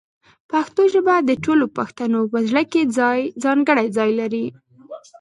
پښتو ژبه د ټولو پښتنو په زړه کې ځانګړی ځای لري.